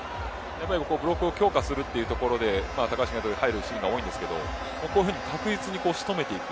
ブロックを強化するというところで高橋が入るシーンが多いですが確実に仕留めていく。